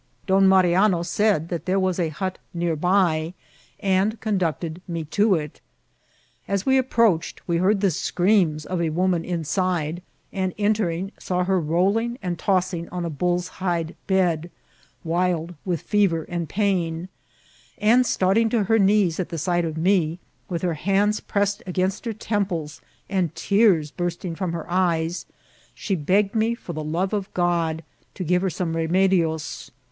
Don Mari ano said that there was a hut near by, and conducted me to it. As we approached, we heard the screams of a woman inside, and, entering, saw her rolling and toss ing on a bull's hide bed, wild with fever and pain ; and, starting to her knees at the sight of me, with her hands pressed against her temples, and tears bursting from her eyes, she begged me, for the love of God, to give her some remedies.